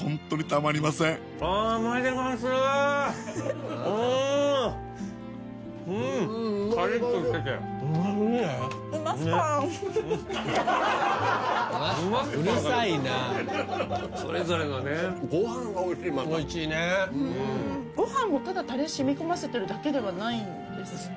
またおいしいねご飯もただタレ染みこませてるだけではないんですよね？